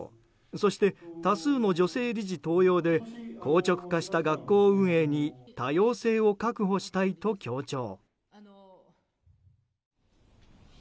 そして、多数の女性理事登用で硬直化した学校運営に多様性を確保したいと強調。